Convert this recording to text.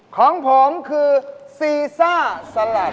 ของผมคือซีซ่าสลัด